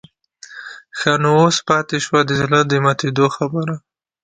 ښه نو اوس پاتې شوه د زړه د ماتېدو خبره.